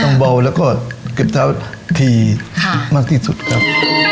ต้องเบาแล้วก็เก็บเท้าถี่ค่ะมากที่สุดครับ